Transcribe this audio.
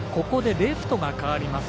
レフトが代わります。